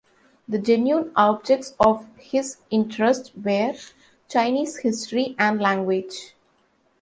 The genuine objects of his interest were Chinese history and language.